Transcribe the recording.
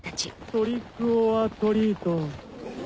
トリックオアトリート。